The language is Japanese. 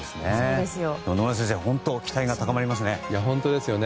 野村先生期待が高まりますね。